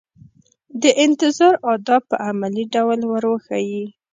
د انتظار آداب په عملي ډول ور وښيي.